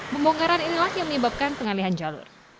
pembongkaran inilah yang menyebabkan pengalihan jalur